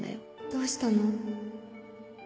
どうしたの？